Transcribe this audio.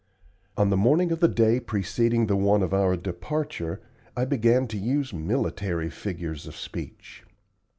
On the morning of the day preceding the one of our departure I began to use military figures of speech.